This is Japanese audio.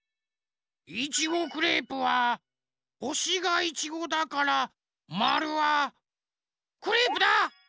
いちごクレープはほしがいちごだからまるはクレープだ！